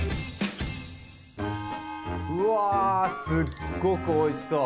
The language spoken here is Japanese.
うわすっごくおいしそう！